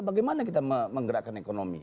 bagaimana kita menggerakkan ekonomi